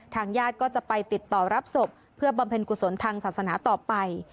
ญาติก็จะไปติดต่อรับศพเพื่อบำเพ็ญกุศลทางศาสนาต่อไป